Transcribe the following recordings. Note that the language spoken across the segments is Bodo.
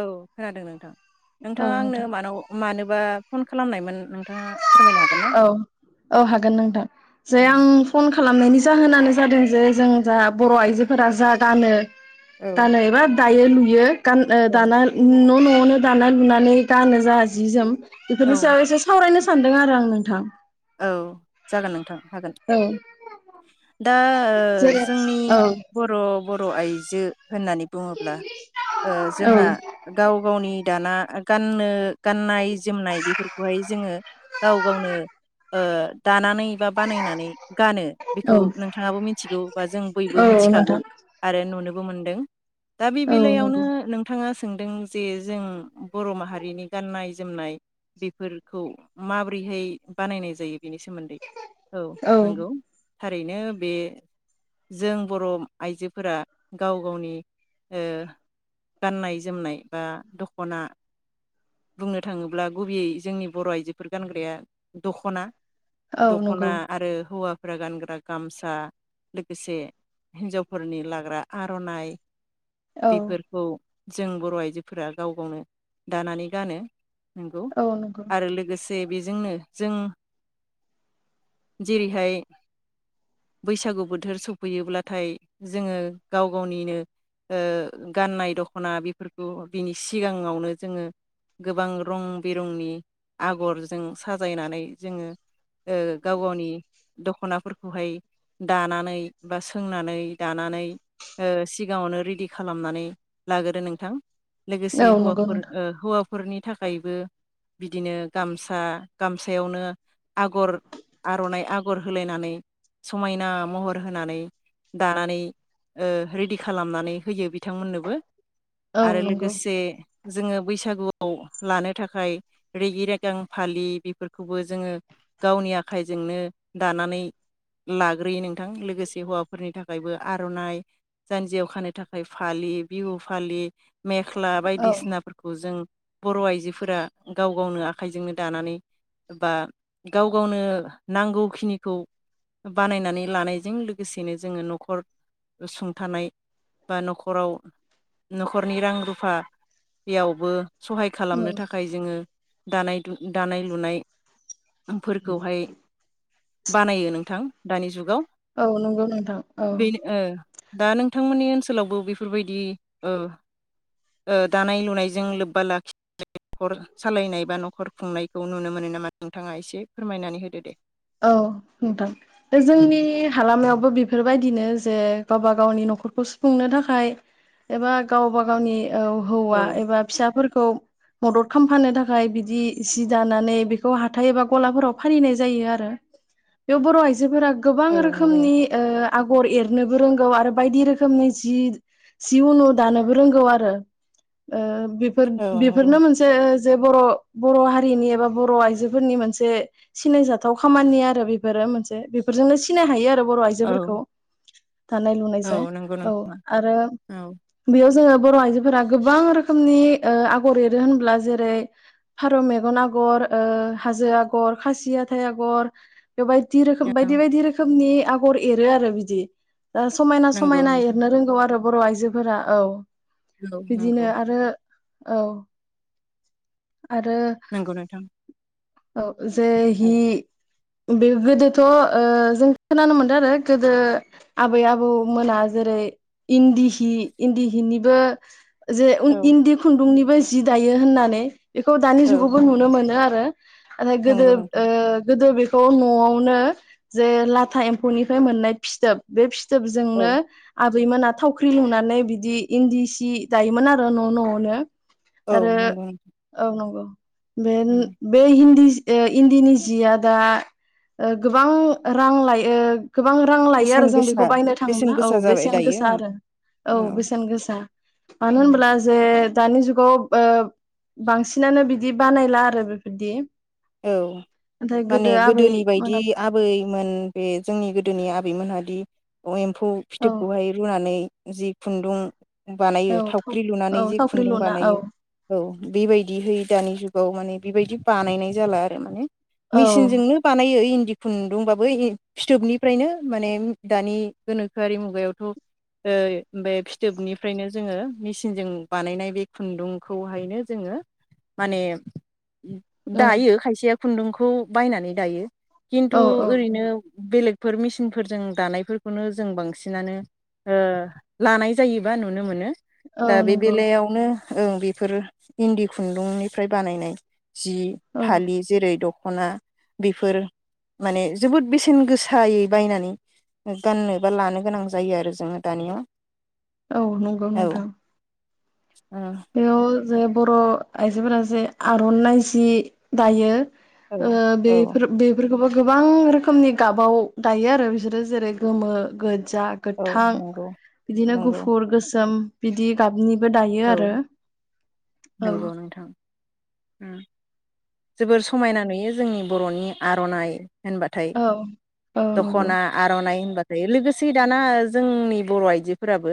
औ खोनादों नोंथां नोंथाङा आंनो नोंथां मानाव मानोबा फन खालामनायमोन नोंथांङा। औ औ हागोन नोंथां जे औ आं फन खालामनायनि ज जाहोनानो जादों जे जों जा बर' आइजोफोरा जा गानो औ दालाय एबा दायो लुयो खांदो औ दाना न न नो दानाय लुनानै गानो जाया जि जोम औ बेफोरनि सायाव एसे सावरायनो सानदों आरो आं नों नोंथां औ जागोन नोंथां। हागोन औ दा ओ जेरै जोंनि औ बर' बर' आइजो होननानै बुङोब्ला ओ औ जोंहा गाव गावनि दाना गाननो गाननाय जोमनाय बेफोरखौहाय जोङो गाव गावनो ओ दानानै। बा बानायनानै गानो बेखौ औ नोंथाङाबो मिथिगौ बा जों बयबो औ मिथिखागौ नोंथां आरो नुनो। मोनदों दा बे औ बेलायावनो नंगौ नोंथाङा सोंदों जे जों बर माहारिनि गाननाय जोमनाय बेफोरखौ माबोरैहाय। बानायनाय जायो बेनि सोमोन्दै औ नंगौ थारैनो बे जों बर' आइजोफोरा गाव गावनि ओ गाननाय जोमनाय बा दखना बुंनो थाङोब्ला गुबैयै जोंनि बर आइजोफोर गानग्राया। दख'ना। औ दख'ना नंगौ आरो हौवा फोरा गानग्रा गामसा लोगोसे हिन्जावफोरनि लाग्रा आर'नाइ औ बेफोरखौ। जों बर आइजोफोरा गाव गावनो दानानै गानो। नंगौ औ नंगौ आरो लोगोसे। जे बेजोंनो जों जेरैहाय बैसागु बोथोर सफैयोब्लाथाय जोङो गाव गावनिनो ओ गाननाय दखना बेफोरखौ बिनि सिगाङावनो जोङो गोबां रं बेरंनि आगरजों साजायनानै जोङो जोङो गाव गावनि दख'नाफोरखौहाय दानानै बा सोंनानै दानानै ओ सिगाङावनो रेडि खालामनानै लागोरो नोंथां। लोगोसे औ नंगौ हौवाफोर नोंथां ओ हौवा। नखरनि थाखायबो बिदिनो गामसा गामसायावनो आगर आरनाइ आगर होलायनानै समायना महर होनानै दानानै ओ रेडि खालामनानै होयो बिथांमोननोबो। औ आरो नंगौ लोगोसे जोङो बैसागुआव लानो थाखाय रेगि रेगां फालि। फोरखौबो जोङो गावनि आखाइजोंनो दानानै लाग्रोयो नोंथां लोगोसे हौवाफोरनि थाखायबो आर'नाइ जानजियाव खानो थाखाय फालि बिहु फालि। मेख्ला औ बायदिसिनाफोरखौ जों बर' आइजोफोरा गाव गावनो आखाइजोंनो दानानै। बा गाव गावनो नांगौखिनिखौ बानायनानै लानायजों लोगोसेनो जोङो न'खर सुंथानाय बा नखराव नखरनि रां रुफा यावबो। सहाय औ खालामनो थाखाय जोङो। दानाय दु दानाय। लुनाय। फोरखौहाय बानायो नोंथां दानि जुगाव। औ नंगौ नोंथां औ। बेनो ओ दा नोंथांमोननि ओनसोलावबो बेफोरबायदि दानाय लुनायजों लोब्बा लाखि नखर सालायनाय बा नखर खुंनाय? खौ नुनो मोनो नामा नोंथाङा एसे फोरमायनानै होदो दे। औ नोंथां दा जोंनि हालामायावबो बेफोरबायदिनो जे गावबा गावनि न'खरखौ सुफुंनो थाखाय एबा गावबा गावनि औ औ हौवा एबा फिसाफोरखौ। मदद खालामफानो थाखाय बिदि सि दानानै बेखौ हाथाय एबा गलाफोराव फालिनाय जायो आरो। ओ बेयाव बर आइजो। जोफोरा गोबां रोखोमनि ओ आगर एरनोबो रोंगौ आरो बायदि रोखोमनि जि सि उनु दानोबो रोंगौ आरो ओ। बेफोर बेफोरनो मोनसे जे बर-बर हारिनि एबा बर आइजोफोरनि मोनसे सिनायजा। गाव खामानि आरो बेफोरो मोनसे बेफोरजोंनो सिनाय हायो आरो। बर' आइजोफोरखौ थानाय औ लुनायजों नंगौ औ नोंथां आरो औ बेयाव जोङो। बर' आइजोफोरा गोबां रोखोमनि ओ आगर एरो होनब्ला जेरै फारौ मेगन आगर ओ हाजो आगर खासि आ आगर। बे बायदि रोखोम बायदि बायदि रोखोमनि आगर एरो आरो बिदि ओ समायना नंगौ समायना एरनो रोंगौ आरो। बर आइजोफोरा औ। औ बिदिनो नंगौ आरो। औ। आरो। नोंथां औ जे हि। औ बे गोदोथ जों खोनानो मोनदों आरो गोदो आबै आबौमोना जेरै इन्दि हि इन्दि हिनिबो जे उन औ नंगौ नोंथां औ नंगौ नोंथां औ इन्दि खुन्दुंनिब बो जि दायो होननानै। बेखौ दानि औ जुगावबो नुनो मोनो आ हो। ओ गोदो नंगौ नोंथां ओ गोदो बे थ' न'आवनो जे लाथा एम्फौनिफ्राय मोननाय फिथोब बे फिथ औ जोबजोंनो आ रैमोना थावख्रि लुनानै बिदि इन्दि सि दायोमोन आरो न' न'आवनो। औ आरो नंगौ नोंथां औ नंगौ बेेन। उम बे हिन्दिज ओ इन्दिनि जिया दा ओ गोबां रां लायो। गोबां रां लायो आरो बेसेन जों बेखौ गोसा बायनो बेसेन थाङोब्ला गोसा औ जाबाय बेसेन दायो गोसा आरो औ बेसेन गोसा मानो उम, होनब्ला जे दानि जुगाव बोब बांसिनानो बिदि बानायला आरो बेफ बदि औ माने गोदोनि बायदि मोना आबैमोन बे जोंनि गोदोनि आ बै मोनादि [unintelligible] खौ औ फिथोबखौहाय रुनानै जि खुन्दुं। बानायो औ थाव थावख्रि लुनानै औ जे थावख्रि खुन्दुं लुना औ बानायो औ बेबायदिहै दानि जुगाव माने। बेबायदि बानायनाय जाला आरो माने। औ मेसिनजोंनो बानायो इन्दि खुन्दुंबाबो फिथोबनिफ्रायनो माने दानि गोनोखोआरि मुगायावथ बे फिथोबनिफ्रायनो जोङो मेसिनजों बानायनाय बे खुन्दुंखौहायनो जोङो माने औ दायो खायसेया खुन्दुंखौ बायनानै दायो। खिन्थु औ औ ओरैनो बेलेग फोर मेसिनफोरजों दानायफोरखौनो जों बांसिनानो ओ लानाय जायोबा नुनो मोनो। औ दा बे नंगौ बेलायावनो। ओं बेफोर इन्दि खुन्दुंनिफ्राय बानायनाय जि। औ फालि जेरै दख दखना बेफोर माने जोबोद बेसेन गोसायै बायनानै गाननो बा लानो गोनां जायो आरो जोङो दानिया। औ नंगौ नोंथां। उम। जोंङो बर' आइजोफोरा जे आर'नाइ जि दायो। उम ओ बेफोर बेफोर खौबो गोबां रोखोमनि गाबाव दायो आरो बिसोरो जेरै गोमो गोद जा औ गोथां नंगौ बिदिनो नंगौ गुफुर गोसोम। बिदि गाबनि बो दायो आरो। औ नोंगौ नोंथां उम। जोबोर समायना नुयो जोंनि बर'नि आर'नाइ होनबाथाय औ औ नंगौ दख'ना आर'नाइ होनबा फ्राय लोगोसे दाना जोंनि बर' आइजोफोराबो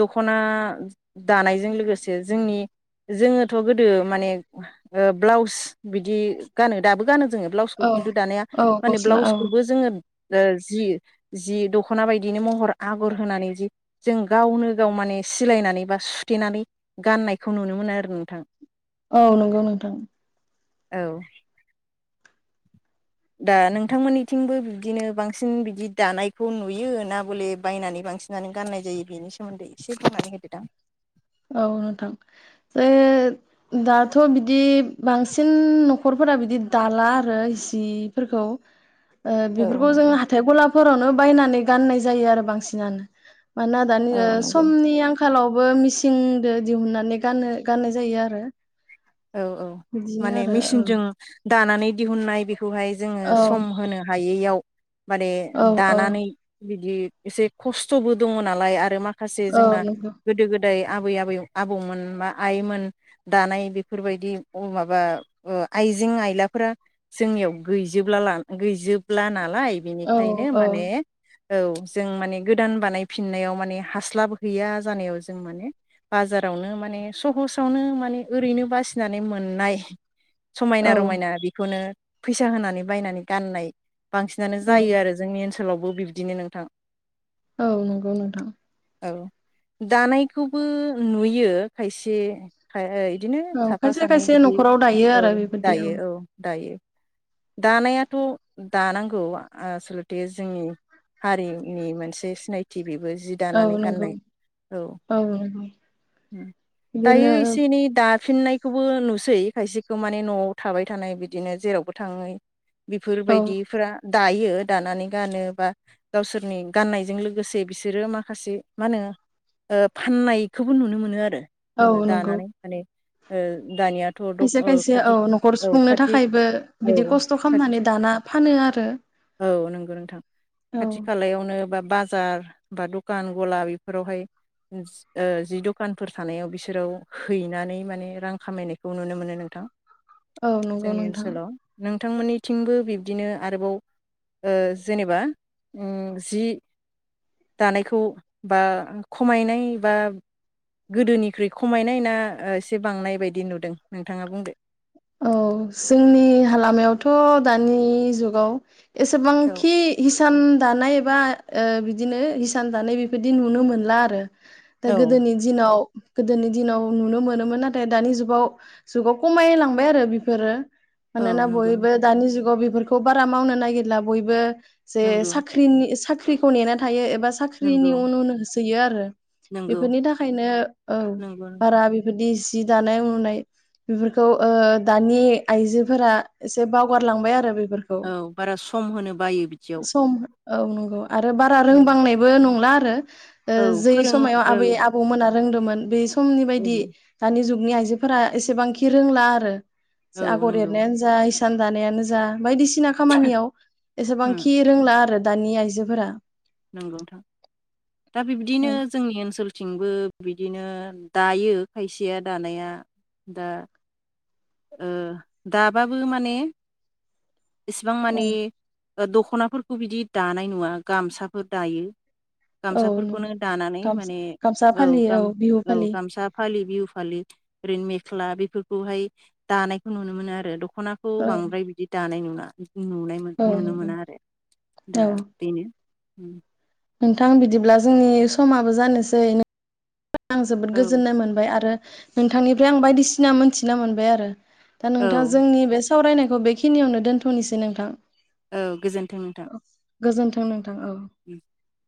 दख'ना ज दानायजों लोगोसे जोंनि जोङोथ' गोदो माने ओ ब्लाउस बिदि गानो दाबो गानो जोंङो ब्लाउसखौ औ खिन्थु दानिया औ माने गस्ला औ ब्लाउसखौबो जोङो ओ जि जि दख'ना बायदिनो महर आगर होनानै जि जों गावनो गाव माने सिलायनानै बा। सुथेनानै गाननायखौ नुनो मोनो आरो नोंथां। औ नंगौ नोंथां। औ। दा नोंथांमोननिथिंबो बिबदिनो बांसिन बिदि दानायखौ नुयो ना बले बायनानै बांसिनानो गाननाय जायो बिनि सोमोन्दै एसे बुंनानै होदोदां। औ नोंथां जे दाथ' बिदि बांसिन न'खरफोरा बिदि दाला आरो जिफोरखौ। ओ औ बेफोरखौ नंगौ जोङो हाथाइ गलाफ फोरावनो बायनानै गाननाय जायो आरो बांसिनानो। मानोना दानि औ ओ नंगौ समनि आंख खालावबो मिच सिंदो दिहुननानै गानो गाननाय जायो आरो। औ औ बिदिनो माने आरो मिचिनजों दानानै दिहुननाय बेख खौहाय जोङो औ सम होनो हायै बेयाव माने औ औ दानानै बिदि एसे खस्थ'बो दङ नालाय आरो माख खासे औ जोंना नंगौ गोदो-गोद बै आबै आबै आबौमोन बा आइमोन दानाय बे बेफोरबायदि अ माबा ओ आइजें आयलाफोरा जोंनियाव गैजोबला नाला गैजोबला ना नालाय औ बिनिखायनो औ माने औ जों माने गोदान बानायफिननायाव माने हास्लाब हैैया जानायाव जों माने बाजारावनो माने सहसावनो माने ओरैनो बा- फिसिनानै मोननाय समायना औ रमायना बिखौनो फैसा होनानै बायनानै गाननाय बांसिनानो औ जायो आरो जोंनि ओन सोलावबो बिब्दिनो नोंथां। औ नंगौ नोंथां। औ दानायखौबो नुयो खायसे खा ओ इदिनो औ साफा खायसे सानै खायसे बिदि न'खराव दायो औ आरो बेबायदि दायो औ दायो। दानायाथ' दानांगौ आसल'थे जोंनि हारिनि मोनसे सिनायथि बे बो जि औ दानानै नंगौ गाननाय औ ओ दायो बिदिनो एसे एनै दा फिननाय खौबो नुसै खायसेखौ माने न'आव थाबाय थानाय बिदिनो जेरावबो थाङै। औ बेफोरबायदिफोरा दायो दानानै गानो बा गावसोरनि गाननायजों लोगोसे बिसोरो माखासे मा होनो ओ फाननायखौबो नुनो मोनो आरो। जोङो औ नंगौ दानानै माने ओ दानियाथ' [unintelligible] खायसे खायसे औ न'खर सुफुंनो थाखायबो बिदि खस्थ' खालामनानै दाना फानो आरो औ नंगौ नोंथां खाथि औ खालायावनो बा बाजार बा दखान गला बेफोरावहाय ओ जि दखानफोर थानायाव बिसोराव हैनानै माने रां खामायनायखौ नुनो मोनो नोंथां। औ नंगौ नोंथां। थांमोननिथिंबो बिब्दिनो आरोबाव ओ जेनेबा ओम जि दानायखौ बा खमायनाय बा गोदोनिख्रुइ खमायनाय बा एसे बांनाय बेबायदि नुदों नोंथाङा बुंदो औ जोंनि हालामायावथ' दानि जुगाव औ एसेबांखि हिसान दानाय एबा ओ बिदिनो हिसान दानाय बेफोरदि नुनो मोनला आरो दा औ गोदोनि दिनाव गोदोनि दिनाव नुनो मोनोमोन नाथाय दानि जुगाव जुगाव कमायलां बाय आरो बिफोरो। मानोना औ नंगौ बयबो नोंथां दानि जुगाव बेफोर खौ बारा मावनो नागिरला बयबो जे नंगौ साख्रिनि सा ख्रिखौ नेना थायो ए बा साख्रिनि नंगौ उन उन होसोयो आरो नंगौ बेफोरनि थाखायनो औ नंगौ नोंथां बारा बेफोरदि जि दानाय उनुनाय बेफोरखौ ओ दानि आइजोफोरा एसे बावगारलांबाय आरो बे औ बारा सम होनो बायो बिदियाव। सम औ नंगौ आरो बारा औ रोंबांनायबो नंला उम ओ औ जै फोरों समायाव औ आबै आबौमोना रोंदोमोन बे समनि औ बायदि दानि जुग नि आइजोफोरा एसेबांखि रोंला आरो औ आगर नंगौ एरनायानो जा हि सान दानायानो जा बायदिसि [unintelligible] खामानियाव उम एसेबांखि रोंला आरो। दानि आइजोफोरा नंगौ नोंथां दा बिब्दिनो औ जोंनि ओनसोल थिंबो बिदिनो दायो खायसेया दानाया दा ओ दाबाबो माने इसिबां औ मानि दख'नाफोरखौ बिदि दानाय नुवा गामसाफोर दायो औ गामसाफोरखौनो नंगौ दानानै माने गामसा औ फालि गाम बिहु औ फालि गामसा फालि बिहु फालि ओरैनो मेख्ला बे फोरखौहाय दानायखौ नुनो मोनो आरो दखनाखौ औ बांद्राय बिदि [unintelligible] नुनायमोन औ नुनो नंगौ मोना आरो दा औ बेनो। [inaudible] नोंथां बिदिब्ला जोंनि समाबो जानोसै आं जोबोद औ गोजोननाय मोनबाय आरो नोंथांनिफ्राय आं बायदिसिना मोनथिना मोनबाय आरो दा नोंथां औ जोंनि बे सावरायनायखौ बेखिनियावनो दोनथ'निसै नोंथां। औ गोजोन्थों नोंथां। गोजोन्थों नोंथां औ [inaudible]